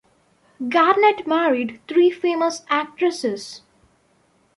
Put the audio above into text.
Garnett married three famous actresses.